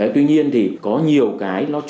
tuy nhiên thì có nhiều cái